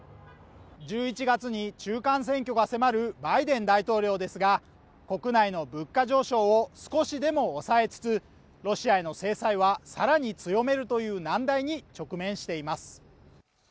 １１月に中間選挙が迫るバイデン大統領ですが国内の物価上昇を少しでも抑えつつロシアへの制裁はさらに強めるという難題に直面しています